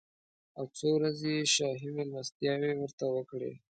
او څو ورځې یې شاهي مېلمستیاوې ورته وکړې.